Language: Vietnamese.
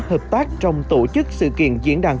hợp tác trong tổ chức sự kiện diễn đàn